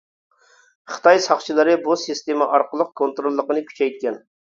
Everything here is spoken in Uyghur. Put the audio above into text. خىتاي ساقچىلىرى بۇ سىستېما ئارقىلىق كونتروللۇقنى كۈچەيتكەن .